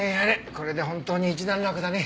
これで本当に一段落だね。